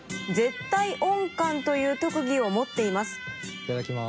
いただきます。